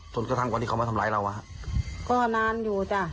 สนกระทั่งกว่าที่เขามาทำไรเราว่ะก็นานอยู่จ้ะ